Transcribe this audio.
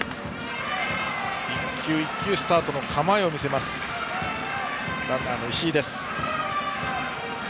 １球１球スタートの構えを見せるランナーの石井。